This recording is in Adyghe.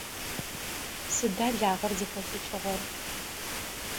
Сыда лагъэр зыхэшӏыкӏыгъэр?